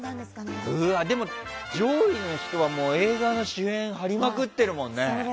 でも、上位の人は映画の主演張りまくってるもんね。